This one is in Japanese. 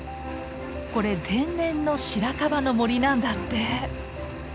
これ天然のしらかばの森なんだって。